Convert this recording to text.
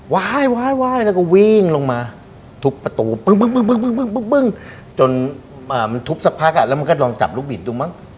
ว้ายแล้วก็วิ่งลงมาทุบประตูปึ้ง